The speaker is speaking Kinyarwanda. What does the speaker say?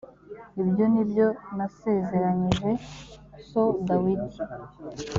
ibyo nibyo nasezeranyije so dawidi